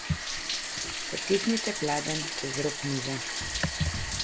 Potisnite pladenj čez rob mize.